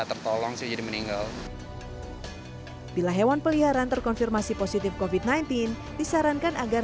tertolong sih jadi meninggal bila hewan peliharaan terkonfirmasi positif kofit sembilan belas disarankan agar